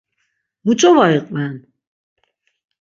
Muç̌o var iqven?